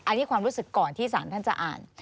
อันนี้ความรู้สึกก่อนที่สารท่านจะอ่าน